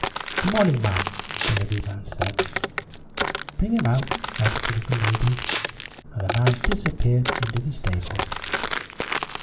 "Good morning, ma'am," the liveryman said. "Bring him out," nodded the little lady, and the man disappeared into the stables.